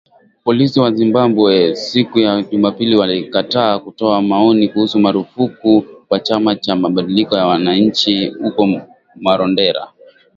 Polisi wa Zimbabwe, siku ya Jumapili walikataa kutoa maoni kuhusu marufuku kwa chama cha mabadiliko ya wananchi huko Marondera.